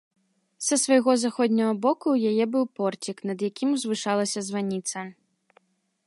Са свайго заходняга боку ў яе быў порцік, над якім узвышалася званіца.